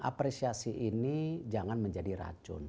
apresiasi ini jangan menjadi racun